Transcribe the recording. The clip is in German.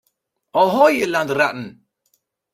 Ahoi, ihr Landratten!